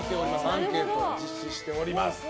アンケートを実施しております。